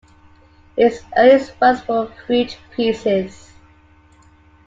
His earliest works were fruit-pieces.